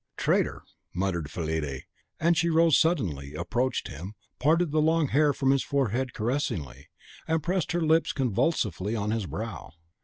"Traitor!" muttered Fillide; and she rose suddenly, approached him, parted the long hair from his forehead caressingly, and pressed her lips convulsively on his brow.